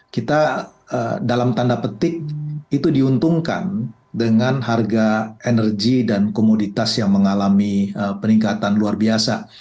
kita dalam tanda petik itu diuntungkan dengan harga energi dan komoditas yang mengalami peningkatan luar biasa